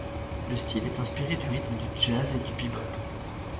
Le style est inspiré du rythme du jazz et du bebop.